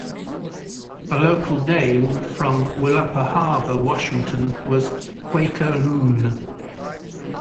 A local name from Willapa Harbor, Washington was "Quaker loon".